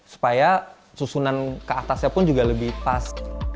supaya susunan ke atasnya pun juga lebih pas